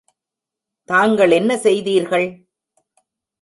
தாங்கள் என்ன செய்தீர்கள்?